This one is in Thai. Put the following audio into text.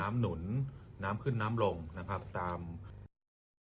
น้ำหนุนน้ำขึ้นน้ำลง